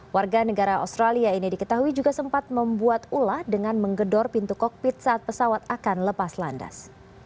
warga negara australia ini diketahui juga sempat membuat ulah dengan menggedor pintu kokpit saat pesawat akan lepas landas